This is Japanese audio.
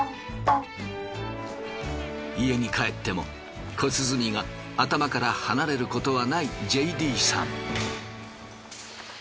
家に帰っても小鼓が頭から離れることはないＪＤさん。